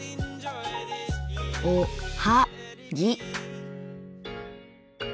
おはぎ。